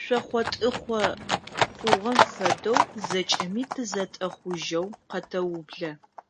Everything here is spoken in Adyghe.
Шъохъо-тӏыхъо хъугъэм фэдэу зэкӏэми тызэтӏэхъужьэу къэтэублэ.